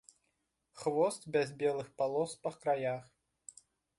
Хвост без белых палос па краях.